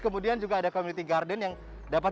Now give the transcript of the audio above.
kemudian juga ada community garden yang dapat